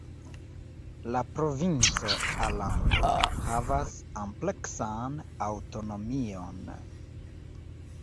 La provinco Alando havas ampleksan aŭtonomion.